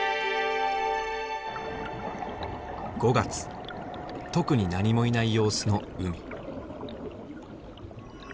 ５月特に何もいない様子の海。